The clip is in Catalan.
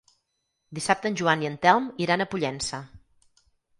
Dissabte en Joan i en Telm iran a Pollença.